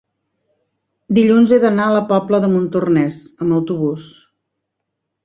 dilluns he d'anar a la Pobla de Montornès amb autobús.